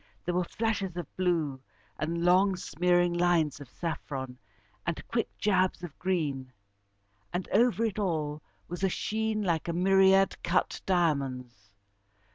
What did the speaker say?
There were flashes of blue, and long smearing lines of saffron, and quick jabs of green. And over it all was a sheen like a myriad cut diamonds.